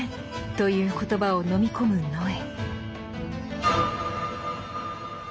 という言葉を飲み込む野枝。